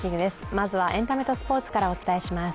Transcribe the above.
まずはエンタメとスポーツからお伝えします。